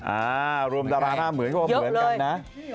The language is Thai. อ่ารวมดาราหน้าเหมือนเขาก็เหมือนกันนะ